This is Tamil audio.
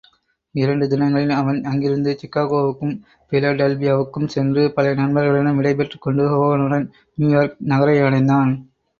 இரண்டு தினங்களில் அவன் அங்கிருந்து சிக்காகோவுக்கும் பிலடல்பியாவுக்கும் சென்று, பழைய நண்பர்களிடம் விடைபெற்றுக் கொண்டு, ஹோகனுடன் நியூயார்க் நகரையடைந்தான்.